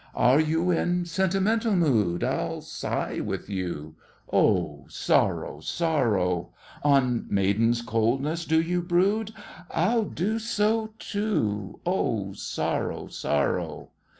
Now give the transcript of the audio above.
Are you in sentimental mood? I'll sigh with you, Oh, sorrow, sorrow! On maiden's coldness do you brood? I'll do so, too— Oh, sorrow, sorrow!